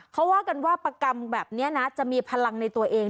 เขาว่ากันว่าประกรรมแบบนี้นะจะมีพลังในตัวเอง